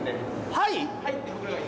はい？